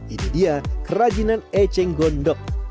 ini dia kerajinan eceng gondok